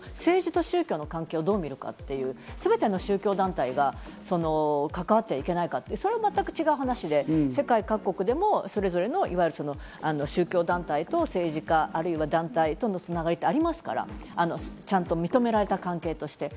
最初に五郎さんがおっしゃたようにすべての宗教団体が関わっちゃいけないかというとそれは全く違う話で、世界各国でもそれぞれのいわゆる宗教団体と政治家、あるいは団体との繋がりってありますから、ちゃんと認められた関係として。